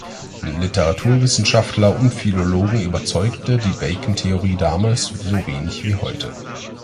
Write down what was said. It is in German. Literaturwissenschaftler und Philologen überzeugte die Bacon-Theorie damals so wenig wie heute.